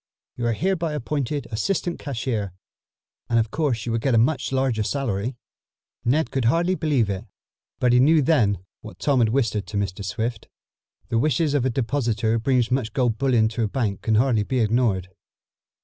You are hereby appointed assistant cashier, and of course you will get a much larger salary." Ned could hardly believe it, but he knew then what Tom had whispered to Mr. Swift. The wishes of a depositor who brings much gold bullion to a bank can hardly be ignored.